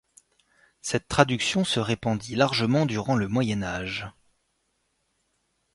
Cette traduction se répandit largement durant le Moyen Âge.